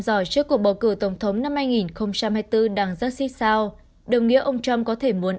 giỏi trước cuộc bầu cử tổng thống năm hai nghìn hai mươi bốn đang rất xích sao đồng nghĩa ông trump có thể muốn